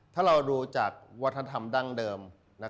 ถ้าเราดูจากวัฒนธรรมดั้งเดิม